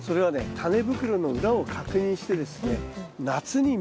タネ袋の裏を確認してですね